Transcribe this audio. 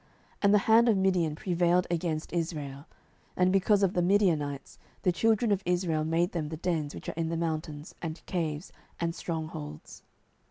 07:006:002 And the hand of Midian prevailed against Israel: and because of the Midianites the children of Israel made them the dens which are in the mountains, and caves, and strong holds.